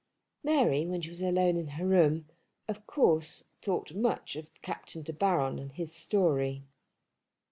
Mary, when she was alone in her room, of course thought much of Captain De Baron and his story.